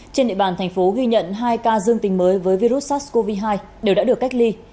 trên địa bàn thành phố ghi nhận hai ca dương tính mới với virus sars cov hai đều đã được cách ly